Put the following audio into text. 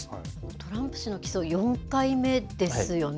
トランプ氏の起訴、４回目ですよね。